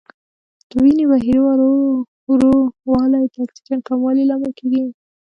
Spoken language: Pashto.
د وینې بهیر ورو والی د اکسیجن کموالي لامل کېږي.